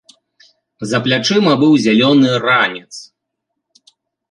За плячыма быў зялёны ранец.